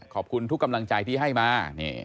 ขอบคุณทุกกำลังใจที่ให้มา